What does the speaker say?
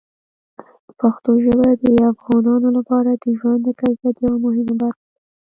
پښتو ژبه د افغانانو لپاره د ژوند د کیفیت یوه مهمه برخه ده.